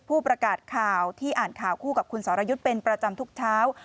ผู้ประกาศข่าวที่อ่านข่าวคู่กับคุณสรยุทธ์เป็นประจำทุกเช้า